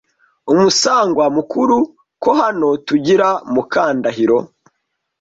Umusangwa mukuru:Ko hano tugira a Mukandahiro